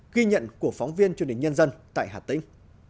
ghi nhận của phóng viên truyền hình nhân dân tại hà tĩnh